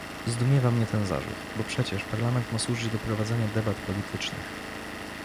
Zdumiewa mnie ten zarzut, bo przecież parlament ma służyć do prowadzenia debat politycznych